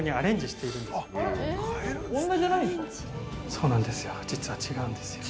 ◆そうなんですよ。